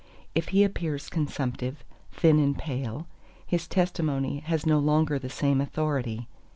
If he appears consumptive, thin and pale, his testimony has no longer the same authority.